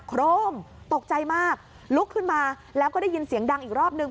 โครมตกใจมากลุกขึ้นมาแล้วก็ได้ยินเสียงดังอีกรอบนึง